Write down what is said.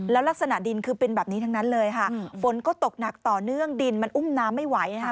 ลักษณะดินคือเป็นแบบนี้ทั้งนั้นเลยค่ะฝนก็ตกหนักต่อเนื่องดินมันอุ้มน้ำไม่ไหวค่ะ